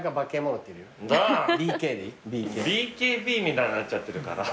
「ＢＫ」「ＢＫＢ」みたいになっちゃってるから。